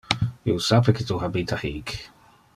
Io sape que tu habita hic.